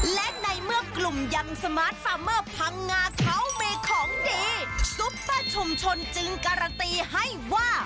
และในเมื่อกลุ่มยำสมาร์ทฟาร์เมอร์พังงาเขามีของดีซุปเปอร์ชุมชนจึงการันตีให้ว่า